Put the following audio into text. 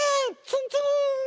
ツンツーン！